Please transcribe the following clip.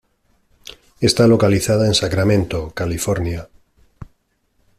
Está localizada en en Sacramento, California.